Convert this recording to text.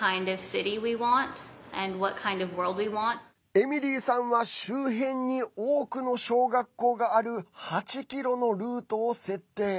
エミリーさんは周辺に多くの小学校がある８ｋｍのルートを設定。